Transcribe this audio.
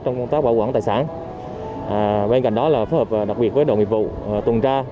trong công tác bảo quản tài sản bên cạnh đó là phối hợp đặc biệt với đội nghiệp vụ tuần tra